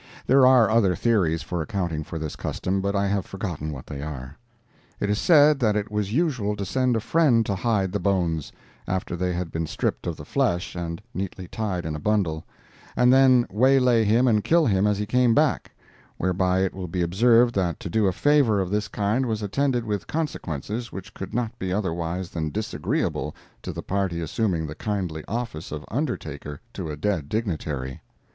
There are other theories for accounting for this custom, but I have forgotten what they are. It is said that it was usual to send a friend to hide the bones (after they had been stripped of the flesh and neatly tied in a bundle), and then waylay him and kill him as he came back, whereby it will be observed that to do a favor of this kind was attended with consequences which could not be otherwise than disagreeable to the party assuming the kindly office of undertaker to a dead dignitary.